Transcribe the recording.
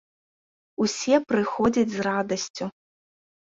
Усе прыходзяць з радасцю.